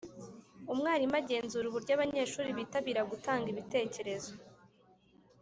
umwarimu agenzura uburyo abanyeshuri bitabira gutanga ibitekerezo